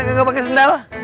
gak pake sendal